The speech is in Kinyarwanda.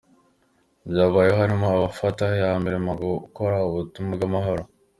byabayeho harimo abafata iya mbere mu gukora ubutumwa bwAmahoro.